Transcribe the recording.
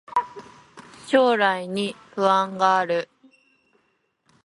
将来に不安がある